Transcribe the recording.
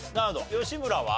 吉村は？